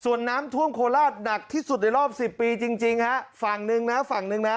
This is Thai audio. ส่วนน้ำท่วมโคลาศหนักที่สุดในรอบ๑๐ปีจริงฝั่งหนึ่งนะ